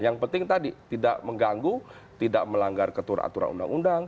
yang penting tadi tidak mengganggu tidak melanggar ketur aturan undang undang